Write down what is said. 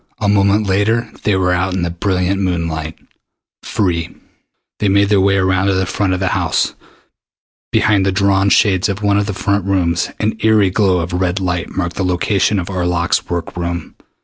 A moment later, and they were out in the brilliant moonlight free. They made their way around to the front of the house. Behind the drawn shades of one of the front rooms an eery glow of red light marked the location of Arlok's work room.